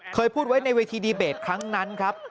เคยพูดไว้ในเวทีดีเบตครั้งนั้นครับ